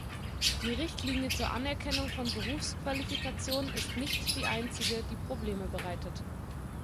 Die Richtlinie zur Anerkennung von Berufsqualifikation ist nicht die einzige, die Probleme bereitet.